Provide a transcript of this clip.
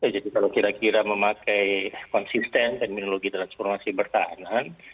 jadi kalau kira kira memakai konsisten terminologi transformasi pertahanan